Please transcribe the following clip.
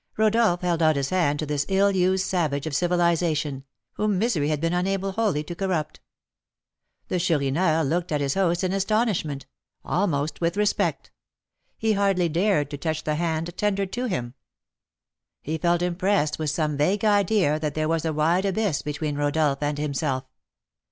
Rodolph held out his hand to this ill used savage of civilisation, whom misery had been unable wholly to corrupt. The Chourineur looked at his host in astonishment, almost with respect; he hardly dared to touch the hand tendered to him. He felt impressed with some vague idea that there was a wide abyss between Rodolph and himself.